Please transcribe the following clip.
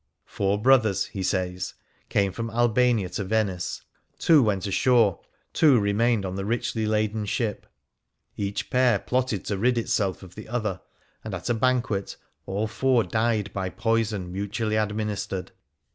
Four brothers, he says, came from Albania to Venice. Two went ashore, two remained on the richly laden ship, 71 Things Seen in Venice Each pair plotted to rid itself of the other, and at a banquet all four died by poison mutually administered.